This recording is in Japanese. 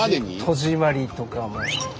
戸締まりとかも。